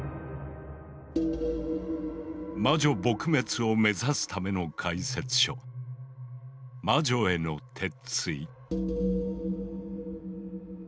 魔女撲滅を目指すための解説書「魔女への鉄槌」。